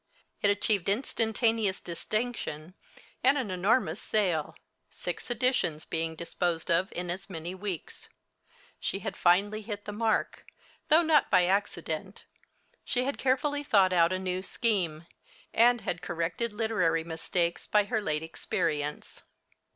It achieved instantaneous distinction and an enormous sale, six editions being disposed of in as many weeks. She had finally hit the mark, though not by accident. She had carefully thought out a new scheme, and had corrected literary mistakes by her late experience.